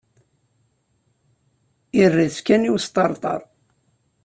Irra-tt kan i wesṭerṭer.